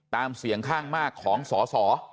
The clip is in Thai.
เสียงข้างมากของสอสอ